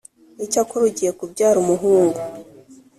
Icyakora ugiye kubyara umuhungu